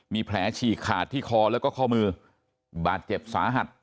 มีแผลฉีกขาดที่คอแล้วก็ข้อมือบาดเจ็บสาหัส